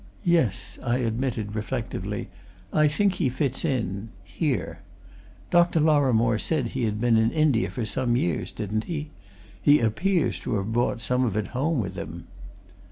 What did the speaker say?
"Yes," I admitted, reflectively. "I think he fits in here. Dr. Lorrimore said he had been in India for some years, didn't he? He appears to have brought some of it home with him."